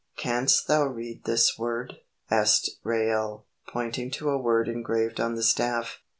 "Canst thou read this word?" asked Reuel, pointing to a word engraved on the staff.